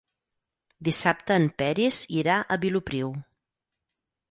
Dissabte en Peris irà a Vilopriu.